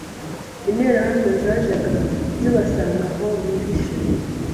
Interahamwe zajyaga zibasanga aho bihishe